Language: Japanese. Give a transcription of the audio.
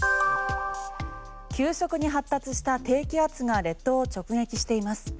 急速に発達した低気圧が列島を直撃しています。